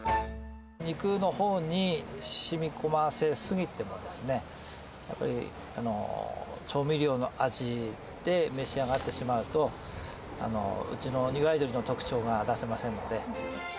肉のほうにしみこませ過ぎても、やっぱり調味料の味で召し上がってしまうと、うちのいわいどりの特徴が出せませんので。